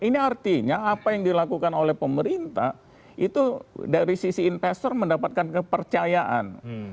ini artinya apa yang dilakukan oleh pemerintah itu dari sisi investor mendapatkan kepercayaan